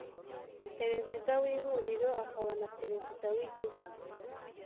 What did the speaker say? perezida w ihuriro akaba na perezida w igihugu